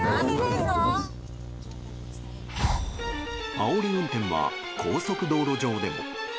あおり運転は高速道路上でも。